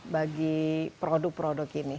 bagi produk produk ini